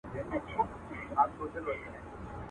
o سل دي ومره، يو دي مه مره.